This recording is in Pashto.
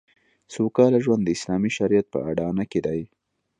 سوکاله ژوند د اسلامي شریعت په اډانه کې دی